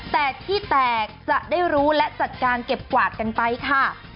แต่ที่แตกจะได้รู้และจัดการเก็บกวาดกันไปค่ะ